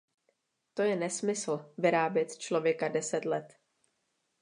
To je nesmysl, vyrábět člověka deset let.